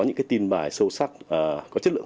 những cái tin bài sâu sắc có chất lượng